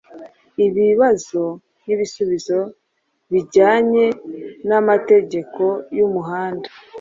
i bibazo n'ibisubizo bijyanye n'amategeko y'umuhanda